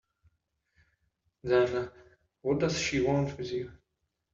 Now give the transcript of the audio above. Then what does she want with you?